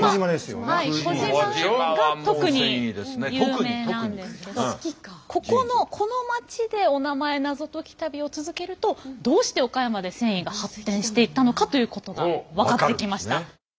はい児島が特に有名なんですけどここのこの町でおなまえナゾ解き旅を続けるとどうして岡山で繊維が発展していったのかということが分かってきました。